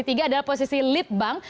kini kita ke posisi lead bank